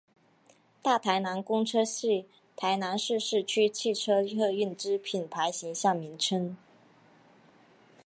大台南公车系台南市市区汽车客运之品牌形象名称。